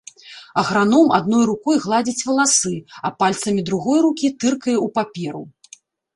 Аграном адной рукой гладзіць валасы, а пальцамі другой рукі тыркае ў паперу.